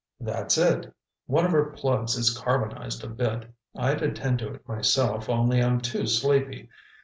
"That's it. One of her plugs is carbonized a bit. I'd attend to it myself, only I'm too sleepy.